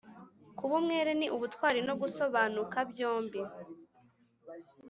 kuba umwere ni ubutwari no gusobanuka byombi.